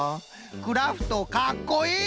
クラフトかっこいい！